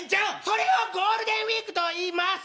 それをゴールデンウイークといいます